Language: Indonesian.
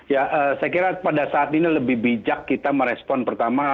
ya saya kira pada saat ini lebih bijak kita merespon pertama